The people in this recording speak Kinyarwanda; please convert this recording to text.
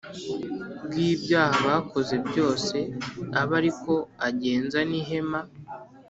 Bw ibyaha bakoze byose abe ari ko agenza n ihema